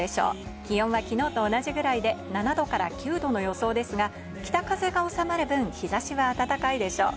気温は昨日と同じぐらいで７度から９度の予想ですが、北風が収まる分、日差しは暖かいでしょう。